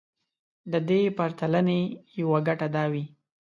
د دې پرتلنې يوه ګټه دا وي.